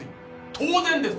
当然です。